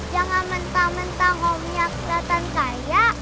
jangan mentah mentah homenya kelihatan kaya